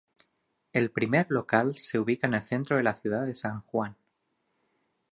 El primer local se ubica en el centro de la ciudad de San Juan.